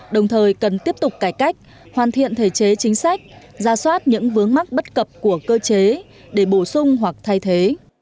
đồng thời cần tiếp tục cải cách hoàn thiện thể chế chính sách ra soát những vướng mắc bất cập của cơ chế để bổ sung hoặc thay thế